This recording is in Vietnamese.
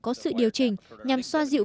có sự điều chỉnh nhằm xoa dịu